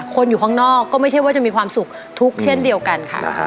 อยู่ข้างนอกก็ไม่ใช่ว่าจะมีความสุขทุกข์เช่นเดียวกันค่ะ